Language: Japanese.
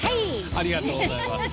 ありがとうございます。